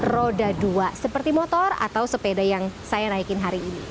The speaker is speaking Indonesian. roda dua seperti motor atau sepeda yang saya naikin hari ini